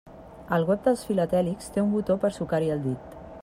El web dels filatèlics té un botó per sucar-hi el dit.